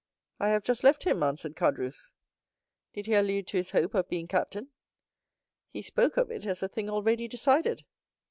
"I have just left him," answered Caderousse. "Did he allude to his hope of being captain?" "He spoke of it as a thing already decided."